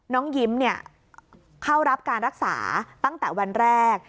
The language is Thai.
น้องยิ้มเข้ารับการรักษาตั้งแต่วันแรก